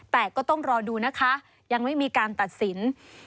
แต่ก็ต้องรอดูนะคะยังไม่มีการตัดสิน